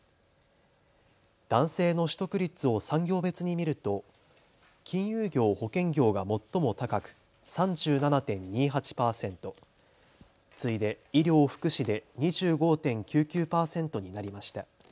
男性の取得率を産業別に見ると金融業保険業が最も高く３７．２８％、次いで医療・福祉で２５．９９％になりました。